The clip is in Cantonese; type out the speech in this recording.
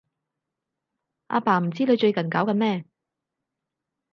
阿爸唔知你最近搞緊咩